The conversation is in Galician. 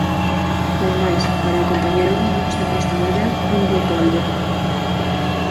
Ademais, para acompañar o viño sempre está moi ben un bo polbo...